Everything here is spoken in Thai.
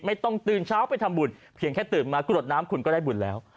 ไม่ต้องตื่นเช้าไปทำบุญเพียงแค่ตื่นมากรดน้ำคุณก็ได้บุญแล้ว